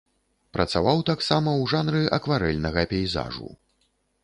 Працаваў таксама ў жанры акварэльнага пейзажу.